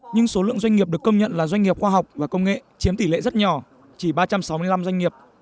nhưng số lượng doanh nghiệp được công nhận là doanh nghiệp khoa học và công nghệ chiếm tỷ lệ rất nhỏ chỉ ba trăm sáu mươi năm doanh nghiệp